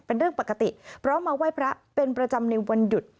เป็นเรื่องปกติเพราะมาไหว้พระเป็นประจำในวันหยุด